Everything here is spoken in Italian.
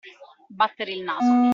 Battere il naso.